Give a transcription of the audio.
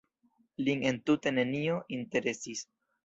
Lin entute nenio interesis.